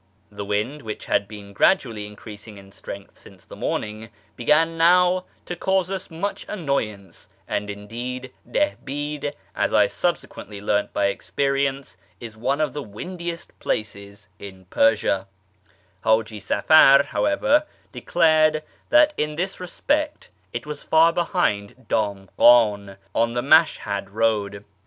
The wind, which had been gradually increasing in strength since the morning, began now to cause us much annoyance, and indeed Dihbi'd, as I subsequently learnt by experience, is one of the windiest places in Persia, Haji Safar, however, declared that in this respect it was far behind Ddmgh;in, on the Mashhad road.